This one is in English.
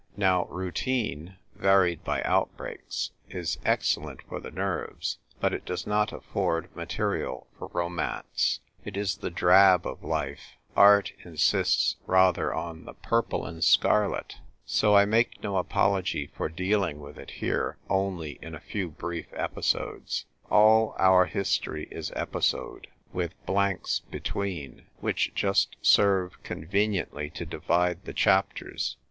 Now routine (varied by outbreaks) is ex cellent for the nerves ; but it does not afford material for romance. It is the drab of life : art insists rather on the purple and scarlet. K 2 140 THE TYPE WRITER GIRL. So I make no apology for dealing with it here only in a few brief episodes. All our history is episode, with blanks between, which just serve conveniently to divide the chapters.